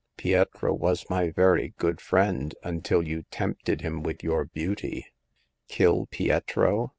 Pietro was my very good friend until you tempted him with your beauty. Kill Pietro